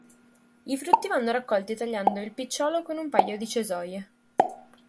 I frutti vanno raccolti tagliando il picciolo con un paio di cesoie.